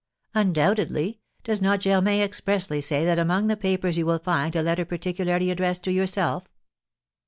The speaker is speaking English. "Undoubtedly; does not Germain expressly say that among the papers you will find a letter particularly addressed to yourself?"